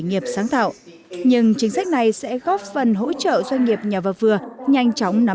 nghiệp sáng tạo nhưng chính sách này sẽ góp phần hỗ trợ doanh nghiệp nhỏ và vừa nhanh chóng nắm